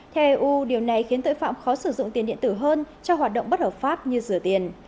theo eu điều này khiến tội phạm khó sử dụng tiền điện tử hơn cho hoạt động bất hợp pháp như rửa tiền